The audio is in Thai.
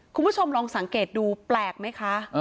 คุณผู้ชมลองสังเกตดูแปลกไหมคะ